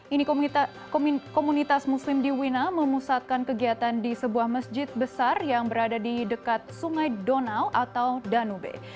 ini komunitas muslim di wina memusatkan kegiatan di sebuah masjid besar yang berada di dekat sungai donau atau danube